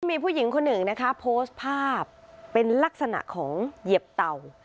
มีผู้หญิงคนหนึ่งนะคะโพสต์ภาพเป็นลักษณะของเหยียบเต่า